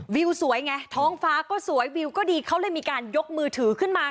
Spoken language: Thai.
วิวสวยไงท้องฟ้าก็สวยวิวก็ดีเขาเลยมีการยกมือถือขึ้นมา